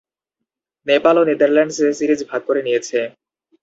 নেপাল ও Netherlands series ভাগ করে নিয়েছে।